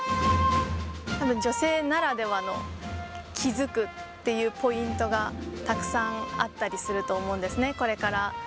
女性ならではの気付くっていうポイントが、たくさんあったりすると思うんですね、これから。